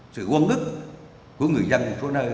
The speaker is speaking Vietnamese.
sự quân ức của người dân ở số nơi